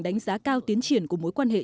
đánh giá cao tiến triển của mối quan hệ